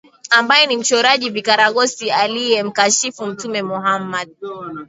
ambaye ni mchoraji vikaragosi aliyemkashifu mtume mohammed